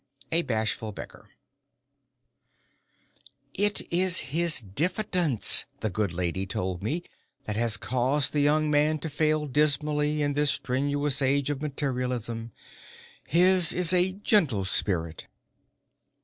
A Bashful Beggar "It is his diffidence," the good lady told me, "that has caused the young man to fail dismally in this strenuous age of materialism. His is a gentle spirit!"